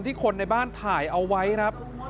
คนในบ้านถ่ายเอาไว้ครับ